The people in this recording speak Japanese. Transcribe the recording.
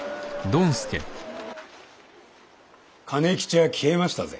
兼吉は消えましたぜ。